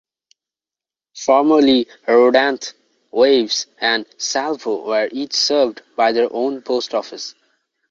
Formerly Rodanthe, Waves and Salvo were each served by their own post office.